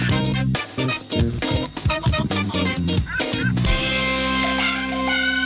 โปรดติดตามตอนต่อไป